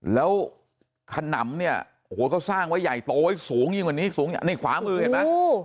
แล้วขนำเนี่ยโอ้โหก็สร้างไว้ใหญ่โตสูงยังกว่านี้ในขวามือเห็นมั้ย